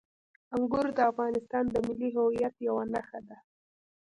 انګور د افغانستان د ملي هویت یوه نښه ده.